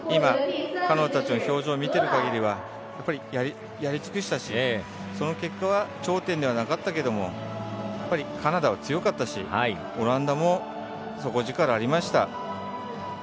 彼女たちの表情を見ている限りはやり尽くしたしその結果は頂点ではなかったけれどもカナダは強かったしオランダも底力がありました。